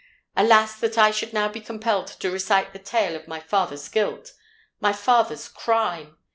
Alas! that I should now be compelled to recite the tale of my father's guilt—my father's crime!